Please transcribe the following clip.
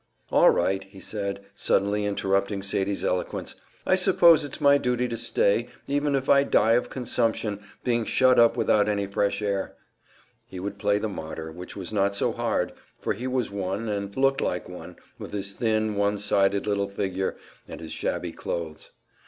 "All right," he said, suddenly interrupting Sadie's eloquence. "I suppose it's my duty to stay, even if I die of consumption, being shut up without any fresh air." He would play the martyr; which was not so hard, for he was one, and looked like one, with his thin, one sided little figure, and his shabby clothes.